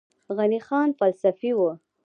غني خان فلسفي و